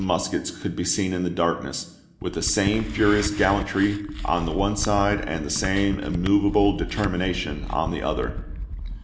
muskets could be seen in the darkness, with the same furious gallantry on the one side and the same immovable determination on the other.